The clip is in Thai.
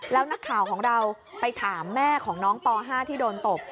แล้วนักข่าวของเราไปถามแม่ของน้องป๕ที่โดนตบ